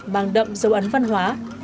mang đậm dấu ấn văn hóa